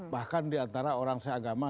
bahkan diantara orang seagama